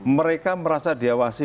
mereka merasa diawasi